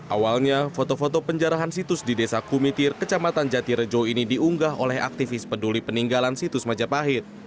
awalnya foto foto penjarahan situs di desa kumitir kecamatan jatirejo ini diunggah oleh aktivis peduli peninggalan situs majapahit